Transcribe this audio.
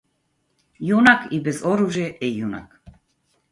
Јунак и без оружје е јунак.